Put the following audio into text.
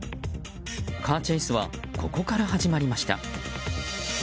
カーチェイスはここから始まりました。